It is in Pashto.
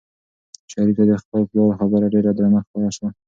شریف ته د خپل پلار خبره ډېره درنه ښکاره شوه.